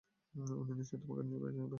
উনি নিশ্চয়ই তোমাকে নিয়ে বেশ গর্ব করছেন!